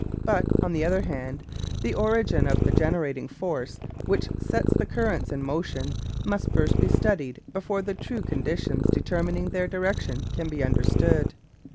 But, on the other hand, the origin of the generating force which sets the currents in motion must first be studied before the true conditions determining their direction can be understood.